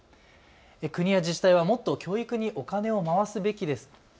国や自治体はもっと教育にお金を回すべきです。